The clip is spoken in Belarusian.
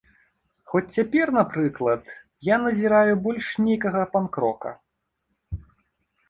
Хоць цяпер, напрыклад, я назіраю больш нейкага панк-рока.